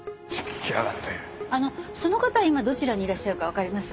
あのその方は今どちらにいらっしゃるかわかります？